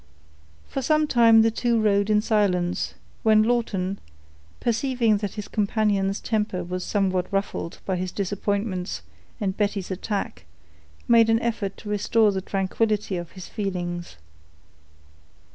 For some time the two rode in silence, when Lawton, perceiving that his companion's temper was somewhat ruffled by his disappointments and Betty's attack, made an effort to restore the tranquillity of his feelings.